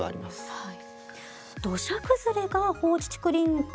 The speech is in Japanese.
はい。